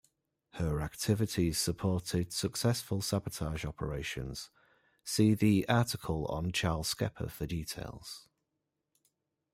Her activities supported successful sabotage operations, see the article on Charles Skepper for details.